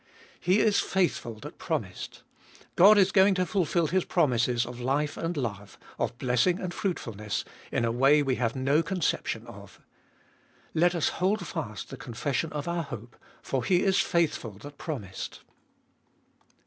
He is faithful that promised. God is going to fulfil His promises of life and love, of blessing and fruitful ness, in a way we have no conception of. Let us hold fast the confession of our hope, for He is faithful that promised.